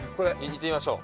いってみましょう。